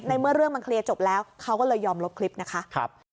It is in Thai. เมื่อเรื่องมันเคลียร์จบแล้วเขาก็เลยยอมลบคลิปนะคะ